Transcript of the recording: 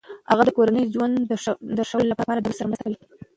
هغه د کورني ژوند د ښه والي لپاره د نورو سره مرسته کوي.